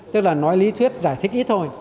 tức là nói lý thuyết giải thích